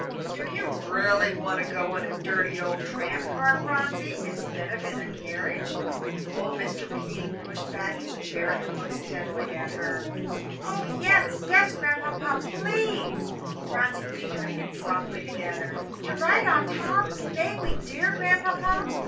"Do you really want to go in a dirty old tram car, Phronsie, instead of in a carriage?" Old Mr. King pushed back his chair and looked steadily at her. "Oh, yes, yes, Grandpapa, please" Phronsie beat her hands softly together "to ride on top; may we, dear Grandpapa?"